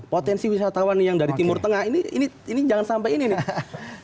potensi wisatawan yang dari timur tengah ini jangan sampai ini nih